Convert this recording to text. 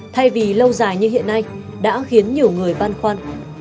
thay vì lâu dài như hiện nay đã khiến nhiều người băn khoăn